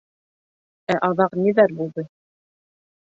— Ә аҙаҡ ниҙәр булды?